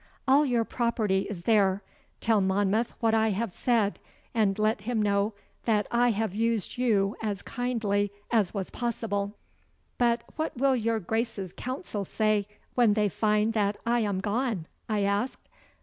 'All your property is there. Tell Monmouth what I have said, and let him know that I have used you as kindly as was possible.' 'But what will your Grace's council say when they find that I am gone?' I asked.